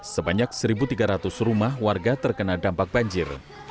sebanyak satu tiga ratus rumah warga terkena dampak banjir